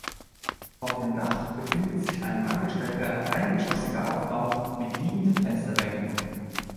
Auf dem Dach befindet sich ein langgestreckter eingeschossiger Aufbau mit liegenden Fensterbänken.